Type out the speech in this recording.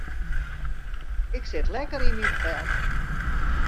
Ik sit lekker yn myn fel.